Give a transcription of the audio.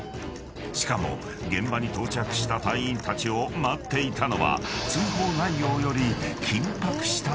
［しかも現場に到着した隊員たちを待っていたのは］